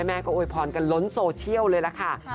แม่ก็โวยพรกันล้นโซเวล์เลยนะคะ